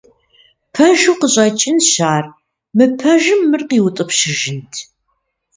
Пэжу къыщӀэкӀынщ, ар мыпэжым мыр къиутӀыпщыжынт?